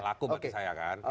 laku berarti saya kan